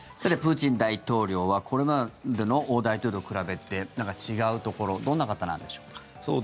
プーチン大統領はこれまでの大統領と比べて何か違うところどんな方なんでしょうか。